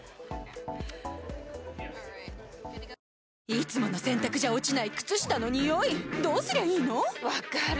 いつもの洗たくじゃ落ちない靴下のニオイどうすりゃいいの⁉分かる。